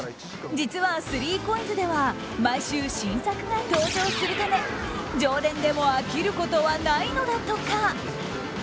実はスリーコインズでは毎週、新作が登場するため常連でも飽きることはないのだとか。